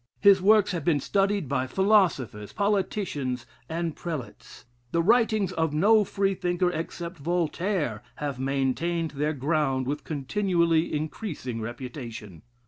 His works have been studied by philosophers, politicians, and prelates. The writings of no Freethinker, except Voltaire, have maintained their ground with continually increasing reputation.